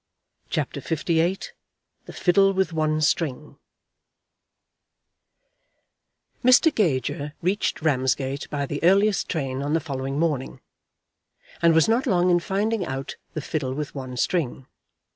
CHAPTER LVIII "The Fiddle with One String" Mr. Gager reached Ramsgate by the earliest train on the following morning, and was not long in finding out the "Fiddle with One String."